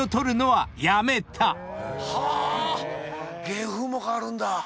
芸風も変わるんだ。